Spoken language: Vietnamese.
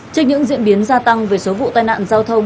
trên những diễn biến gia tăng về số vụ tai nạn giao thông